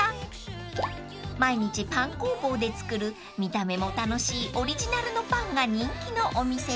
［毎日パン工房で作る見た目も楽しいオリジナルのパンが人気のお店です］